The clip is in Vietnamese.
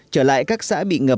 trở lại các xã bị ngập